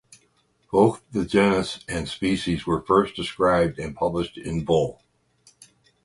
Both the genus and species were first described and published in Bull.